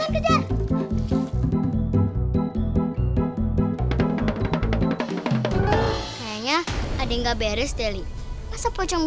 oh pantesan baunya saya inget